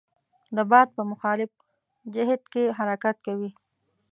د باد په مخالف جهت کې حرکت کوي.